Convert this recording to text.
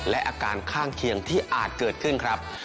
และอาการข้างเคียงที่อาจเกิดขึ้นครับ